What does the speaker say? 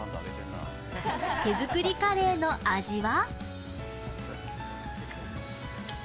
手づくりカレーの味は。